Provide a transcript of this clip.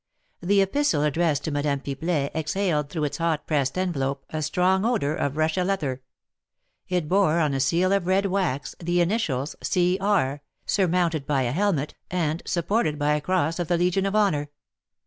The epistle addressed to Madame Pipelet exhaled through its hot pressed envelope a strong odour of Russia leather; it bore, on a seal of red wax, the initials "C. R." surmounted by a helmet, and supported by a cross of the Legion of Honour.